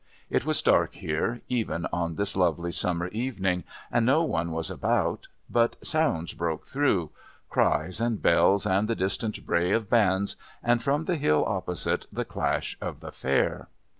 It was dark here, even on this lovely summer evening, and no one was about, but sounds broke through, cries and bells and the distant bray of bands, and from the hill opposite the clash of the Fair.